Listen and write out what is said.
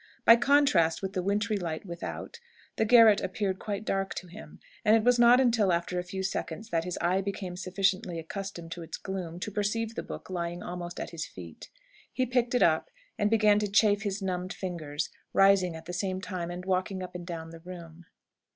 By contrast with the wintry light without, the garret appeared quite dark to him, and it was not until after a few seconds that his eye became sufficiently accustomed to its gloom, to perceive the book lying almost at his feet. He picked it up, and began to chafe his numbed fingers, rising at the same time, and walking up and down the room.